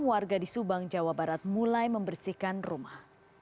warga di subang jawa barat mulai membersihkan rumah